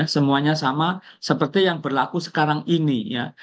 semuanya sama seperti yang berlaku sekarang ini ya